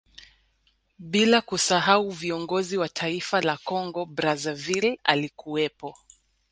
Bila kusahau viongozi wa taifa la Kongo Brazzaville alikuwepo